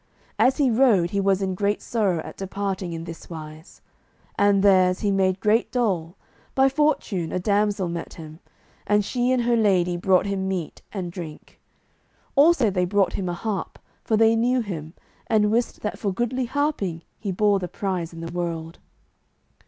As he rode he was in great sorrow at departing in this wise; and there, as he made great dole, by fortune a damsel met him, and she and her lady brought him meat and drink. Also they brought him a harp, for they knew him, and wist that for goodly harping he bore the prize in the world.